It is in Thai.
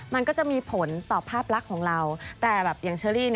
มันก็จะมีผลต่อภาพรักของเรา